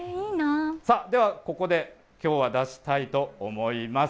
ではここで、きょうは出したいと思います。